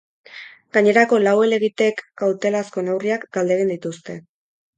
Gainerako lau helegitek kautelazko neurriak galdegin dituzte.